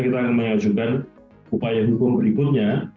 kita akan mengajukan upaya hukum berikutnya